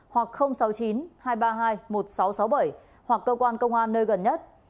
hoặc sáu mươi chín hai trăm ba mươi hai một nghìn sáu trăm sáu mươi bảy hoặc cơ quan công an nơi gần nhất